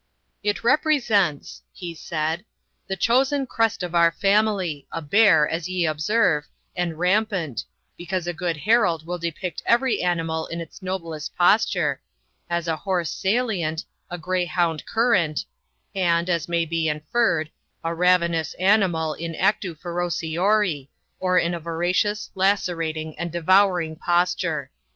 'It represents,' he said, 'the chosen crest of our family, a bear, as ye observe, and RAMPANT; because a good herald will depict every animal in its noblest posture, as a horse SALIENT, a greyhound CURRANT, and, as may be inferred, a ravenous animal in actu ferociori, or in a voracious, lacerating, and devouring posture.